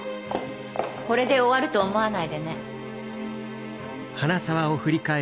これで終わると思わないでね。